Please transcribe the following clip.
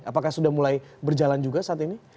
apakah sudah mulai berjalan juga saat ini